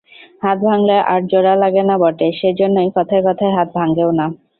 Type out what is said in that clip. হাত ভাঙলে আর জোড়া লাগে না বটে, সেইজন্যেই কথায় কথায় হাত ভাঙেও না।